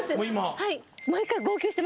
はい。